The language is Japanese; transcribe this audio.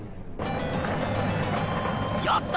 やった！